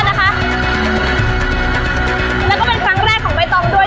แล้วก็เป็นครั้งแรกของใบตองด้วย